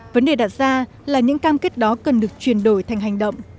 vấn đề đặt ra là những cam kết đó cần được chuyển đổi thành hành động